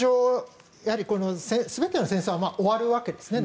全ての戦争は終わるわけですね